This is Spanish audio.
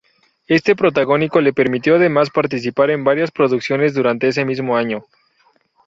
Este protagónico le permitió además participar en varias producciones durante ese mismo año.